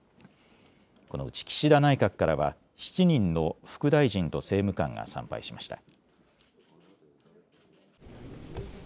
このうち岸田内閣からは７人の副大臣と政務官が参拝しました。